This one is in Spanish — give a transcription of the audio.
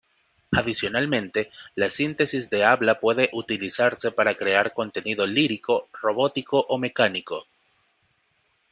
Adicionalmente, la síntesis de habla puede utilizarse para crear contenido lírico robótico o mecánico.